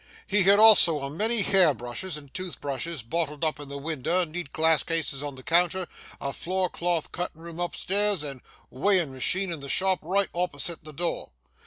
He had also a many hair brushes and tooth brushes bottled up in the winder, neat glass cases on the counter, a floor clothed cuttin' room up stairs, and a weighin' macheen in the shop, right opposite the door.